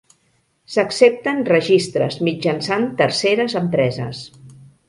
S'accepten registres mitjançant terceres empreses.